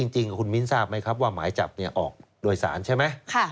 จริงคุณมิ้นทราบไหมครับว่าหมายจับออกโดยสารใช่ไหม